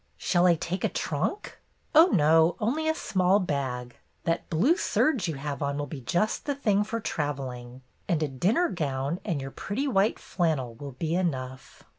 "Shall I take a trunk?" "Oh, no; only a small bag. That blue serge you have on will be just the thing for travelling, and a little dinner gown and your pretty white flannel will be enough."